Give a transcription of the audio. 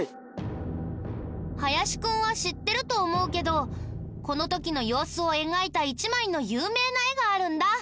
林くんは知ってると思うけどこの時の様子を描いた１枚の有名な絵があるんだ。